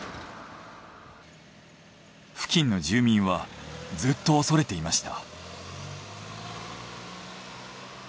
付近の住民はずっと恐れていました。